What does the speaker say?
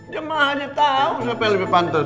jemah aja tau siapa yang lebih pantes